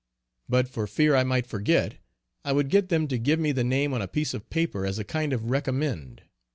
But for fear I might forget, I would get them to give me the name on a piece of paper as a kind of recommend.